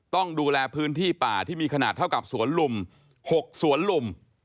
ต้องดูแลพื้นที่ป่าที่มีขนาดเท่ากับสวนลุม๖สวนลุม